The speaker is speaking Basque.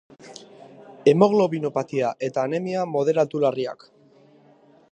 Hemoglobinopatia eta anemia moderatu-larriak.